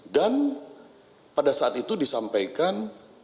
dan pada saat itu disampaikan